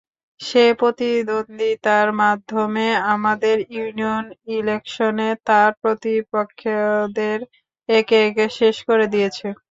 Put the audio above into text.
সে প্রতিদ্বন্দ্বিতার মাধ্যমে আমাদের ইউনিয়ন ইলেকশনে তার প্রতিপক্ষদের একে একে শেষ করে দিয়েছে।